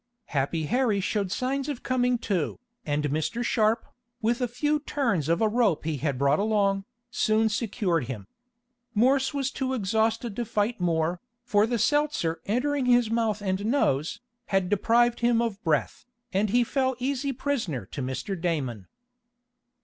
Happy Harry showed signs of coming to, and Mr. Sharp, with a few turns of a rope he had brought along, soon secured him. Morse was too exhausted to fight more, for the seltzer entering his mouth and nose, had deprived him of breath, and he fell an easy prisoner to Mr. Damon.